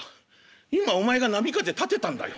「今お前が波風立てたんだよ。